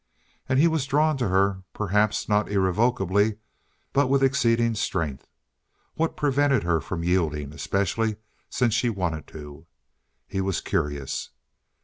And he was drawn to her, perhaps not irrevocably, but with exceeding strength. What prevented her from yielding, especially since she wanted to? He was curious.